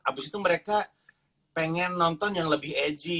abis itu mereka pengen nonton yang lebih edgy